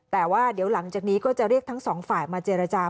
แต่ว่าเดี๋ยวหลังจากนี้ก็จะเรียกทั้งสองฝ่ายมาเจรจา